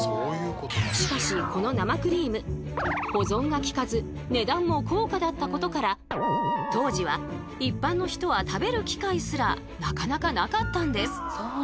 しかしこの生クリーム保存がきかず値段も高価だったことから当時は一般の人は食べる機会すらなかなかなかったんです。